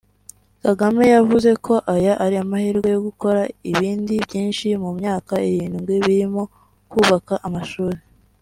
Kagame yavuze ko aya ari amahirwe yo gukora ibindi byinshi mu myaka irindwi birimo kubaka amashuri